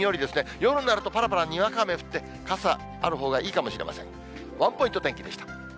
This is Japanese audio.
夜になると、ぱらぱらにわか雨が降って、傘あるほうがいいかもしれません。